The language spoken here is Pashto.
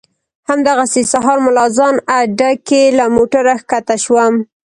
همدغسې سهار ملا اذان اډه کې له موټره ښکته شوم.